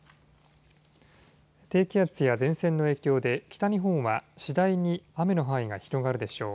低気圧や前線の影響で北日本は次第に雨の範囲が広がるでしょう。